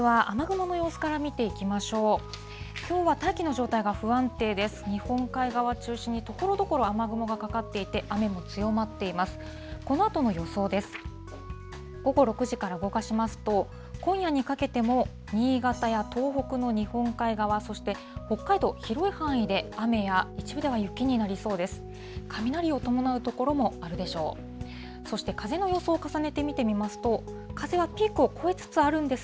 午後６時から動かしますと、今夜にかけても新潟や東北の日本海側、そして北海道、広い範囲で雨や一部では雪になりそうです。